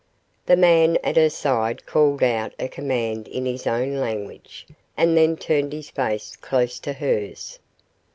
The man at her side called out a command in his own language, and then turned his face close to hers.